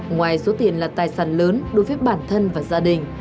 ngoài số tiền là tài sản lớn đối với bản thân và gia đình